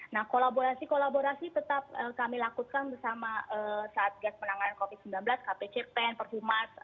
nah kolaborasi kolaborasi tetap kami lakukan bersama satgas penanganan covid sembilan belas kpc pen perhumas